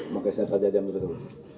menggunakan senjata tajam